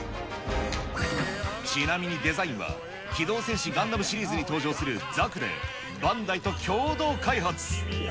ちなみにデザインは、機動戦士ガンダムシリーズに登場するザクで、バンダイと共同開発。